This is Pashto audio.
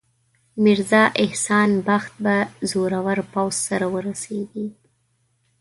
میرزا احسان بخت به زورور پوځ سره ورسیږي.